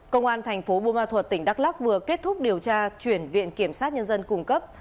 công an thành phố bùa ma thuật tỉnh đắk lắc vừa kết thúc điều tra chuyển viện kiểm sát nhân dân cung cấp